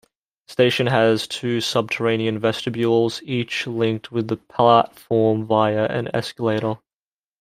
The station has two subterranean vestibules, each linked with the platform via an escalator.